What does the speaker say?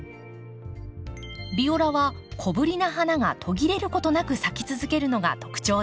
ビオラは小ぶりな花が途切れることなく咲き続けるのが特徴です。